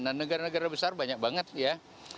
dan negara negara besar banyak banget ya